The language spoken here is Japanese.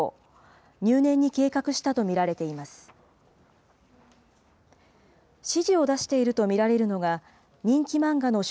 入念に計画したと見られています。